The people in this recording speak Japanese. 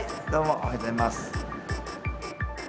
おはようございます。